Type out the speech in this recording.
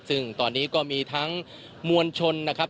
ซึ่งตอนนี้ก็มีทั้งมวลชนนะครับ